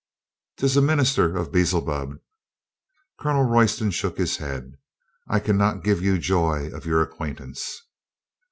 "'Tis a minister of Beelzebub." Colonel Royston shook his head. "I can not give you joy of your acquaintance."